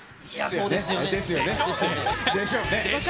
そうですよね。でしょうね。